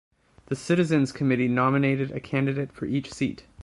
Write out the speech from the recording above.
The Citizens' Committee nominated a candidate for each seat.